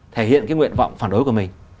thể hiện cái nguyện vọng phản đối của mình